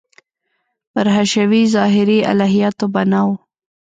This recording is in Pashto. پر حشوي – ظاهري الهیاتو بنا و.